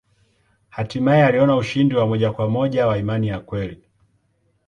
Hatimaye aliona ushindi wa moja kwa moja wa imani ya kweli.